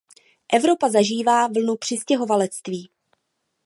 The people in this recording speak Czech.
Evropa zažívá vlnu přistěhovalectví.